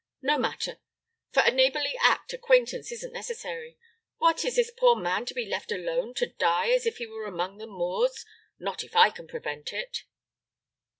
"No matter; for a neighborly act, acquaintance isn't necessary. What! Is this poor man to be left alone to die, as if he were among the Moors? Not if I can prevent it."